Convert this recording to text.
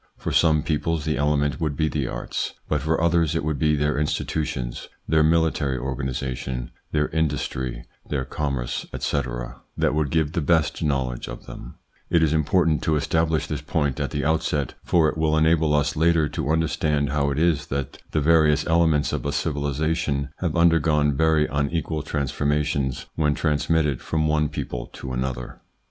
For some peoples the element would be the arts, but for others it would be their institutions, their military organisa tion, their industry, their commerce, etc., that would ITS INFLUENCE ON THEIR EVOLUTION 65 give us the best knowledge of them. It is important to establish this point at the outset, for it will enable us later to understand how it is that the various elements of a civilisation have undergone very un equal transformations when transmitted from one people to another.